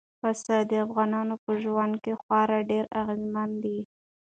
پسه د افغانانو په ژوند خورا ډېر اغېزمن دی.